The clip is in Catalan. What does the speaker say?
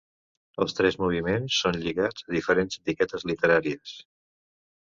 Els tres moviments són lligats a diferents etiquetes literàries.